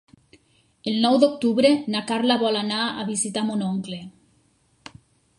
El nou d'octubre na Carla vol anar a visitar mon oncle.